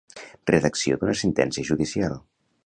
Redacció d'una sentència judicial.